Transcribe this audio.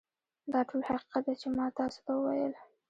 دا ټول حقیقت دی چې ما تاسو ته وویل